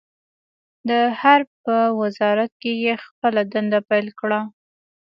د حرب په وزارت کې يې خپله دنده پیل کړه.